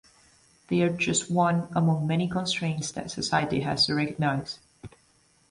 They are just one among many constraints that society has to recognise.